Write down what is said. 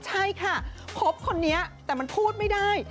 ใช่ค่ะคบคนนี้แต่มันพูดไม่ได้